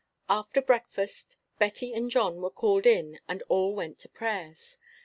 After breakfast Betty and John were called in and all went to prayers.